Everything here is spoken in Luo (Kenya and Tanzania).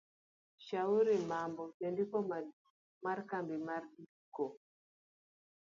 Shauri Mambo Jandiko maduong' mar Kambi mar ndiko